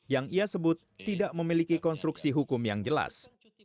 yang ia sebut tidak memiliki konstruksi hukum yang jelas